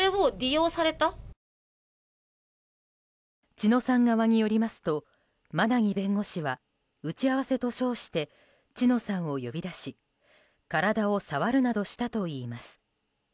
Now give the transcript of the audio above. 知乃さん側によりますと馬奈木弁護士は打ち合わせと称して知乃さんを呼び出し体を触るなどしたといいます。